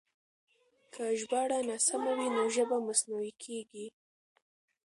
که ژباړه ناسمه وي نو ژبه مصنوعي کېږي.